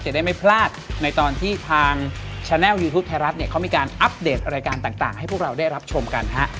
จะได้ไม่พลาดในตอนที่ทางแชนแลลยูทูปไทยรัฐเนี่ยเขามีการอัปเดตรายการต่างให้พวกเราได้รับชมกันฮะ